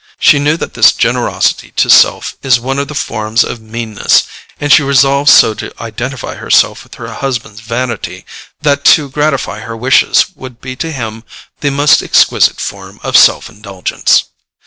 She knew that this generosity to self is one of the forms of meanness, and she resolved so to identify herself with her husband's vanity that to gratify her wishes would be to him the most exquisite form of self indulgence.